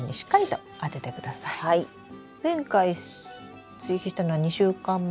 前回追肥したのは２週間前？